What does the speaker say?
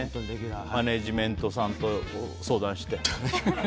マネジメントさんと相談して。